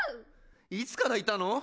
いつからいたの？